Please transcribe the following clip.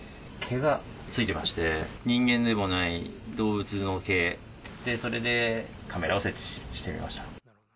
毛がついてまして、人間でもない動物の毛、それでカメラを設置してみました。